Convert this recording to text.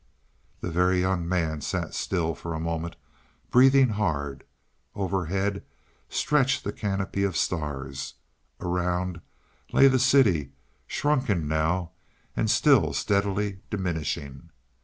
The Very Young Man sat still for a moment, breathing hard. Overhead stretched the canopy of stars; around lay the city, shrunken now and still steadily diminishing.